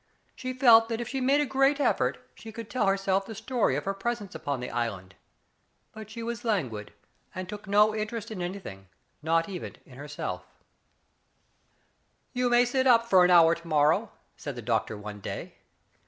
She felt that if she made a great effort, she could tell her self the story of her presence upon the island ; but she was languid, and took no interest in any thing, not even {n h^r3df» Digitized by Google 172 THE FATE OF FEN ELLA, " You may sit up for an hour to morrow/' said the doctor, one day.